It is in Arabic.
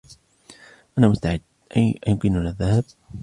أنا مستعد! أيمكننا الذهاب ؟